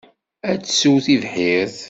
Ad tessew tibḥirt.